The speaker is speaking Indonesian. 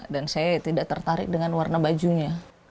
dan saya tidak tertarik dengan warna bajunya